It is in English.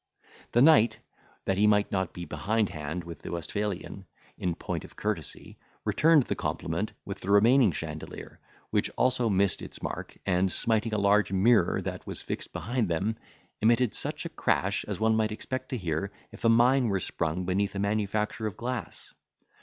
The knight, that he might not be behindhand with the Westphalian in point of courtesy, returned the compliment with the remaining chandelier, which also missed its mark, and, smiting a large mirror that was fixed behind them, emitted such a crash as one might expect to hear if a mine were sprung beneath a manufacture of glass.